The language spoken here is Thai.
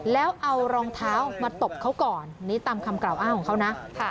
แล้วเอารองเท้ามาตบเขาก่อนนี่ตามคำกล่าวอ้างของเขานะ